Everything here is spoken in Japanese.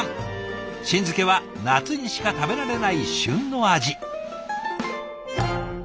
新漬けは夏にしか食べられない旬の味。